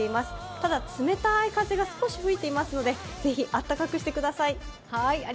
ただ、冷たい風が少し吹いていますので、ぜひ、あったかくしてください。